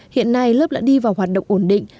hiện nay lớp đã đi vào hoạt động ổn định